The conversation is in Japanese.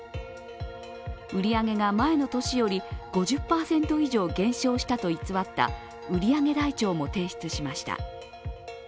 売り上げが前の年より５０％以上減少したと偽った売上台帳も提出しました。